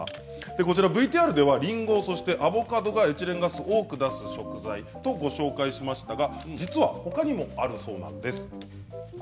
こちらＶＴＲではりんごそしてアボカドがエチレンガス多く出す食材とご紹介しましたが実はほかにもあるそうなんです。